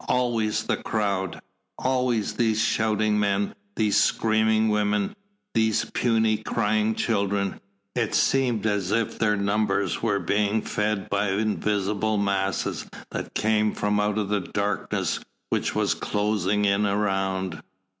always the crowd! Always these shouting men, these screaming women, these puny crying children! It seemed as if their numbers were being fed by invisible masses that came from out the darkness which was closing in around.